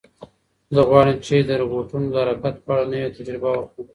زه غواړم چې د روبوټونو د حرکت په اړه نوې تجربه وکړم.